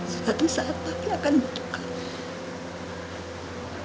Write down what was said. suatu saat papi akan butuh kamu